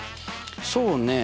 そうねえ